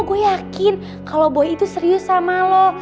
gue yakin kalau boy itu serius sama lu